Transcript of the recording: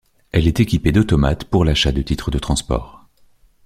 Elle est équipée d'automates pour l'achats de titres de transport.